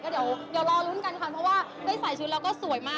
เดี๋ยวรอลุ้นกันค่ะเพราะว่าได้ใส่ชุดแล้วก็สวยมาก